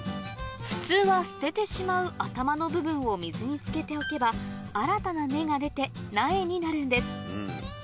普通は捨ててしまう頭の部分を水に漬けておけば新たな根が出て苗になるんです